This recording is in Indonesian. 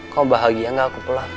kau bahagia gak aku pulang